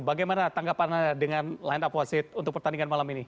bagaimana tanggapan anda dengan line up wasit untuk pertandingan malam ini